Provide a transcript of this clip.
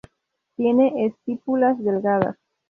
Tiene estípulas delgadas.